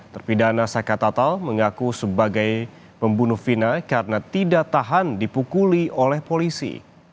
terpidana saka tatal mengaku sebagai pembunuh vina karena tidak tahan dipukuli oleh polisi